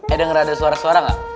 eh denger ada suara suara ga